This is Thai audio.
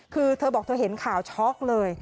คือเธอบอกเธอเห็นข่าวช็อกเลย